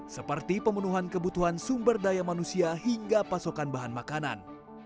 seperti pemenuhan kebutuhan sumber daya manusia hingga pasokan bahan makanan